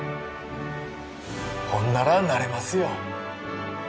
ほんならなれますよ